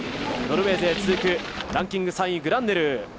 ノルウェー勢続くランキング３位グランネルー。